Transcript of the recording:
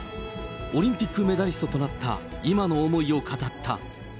オリンピックメダリストとなった今の思いを語った。